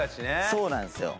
そうなんですよ。